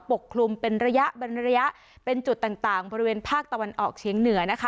ปกคลุมเป็นระยะเป็นจุดต่างบริเวณภาคตะวันออกเชียงเหนือนะคะ